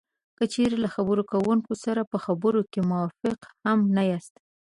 که چېرې له خبرې کوونکي سره په خبرو کې موافق هم نه یاستی